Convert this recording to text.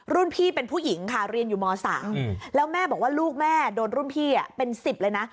พี่เป็นผู้หญิงค่ะเรียนอยู่ม๓แล้วแม่บอกว่าลูกแม่โดนรุ่นพี่เป็น๑๐เลยนะ